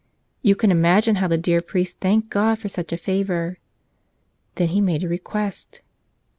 You can imagine how the dear priest thanked God for such a favor. Then he made a request.